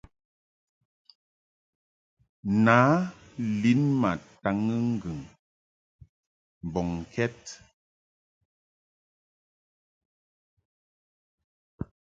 Nǎ lin ma taŋɨ ŋgɨŋ mbɔŋkɛd.